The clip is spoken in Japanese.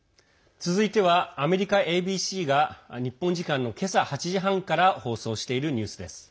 続いては、アメリカＡＢＣが日本時間の今朝８時半から放送しているニュースです。